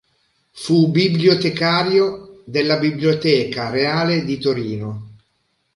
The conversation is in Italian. Fu bibliotecario della Biblioteca Reale di Torino.